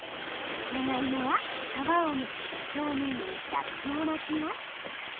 長いもは皮をむき表面にラップを巻きます。